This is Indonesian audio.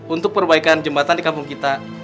untuk perbaikan jembatan di kampung kita